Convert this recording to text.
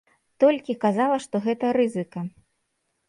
Толькі казала, што гэта рызыка.